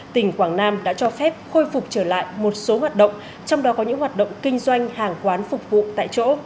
tỉnh quảng nam đã cho phép khôi phục trở lại một số hoạt động trong đó có những hoạt động kinh doanh hàng quán phục vụ tại chỗ